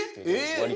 割と。